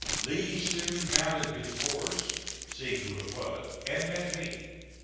Lee soon mounted his horse, seeing who it was, and met me.